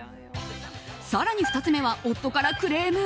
更に２つ目は夫からクレーム？